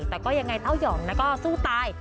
แต่ก็ยังไงเต้ายองก็สู้ตาย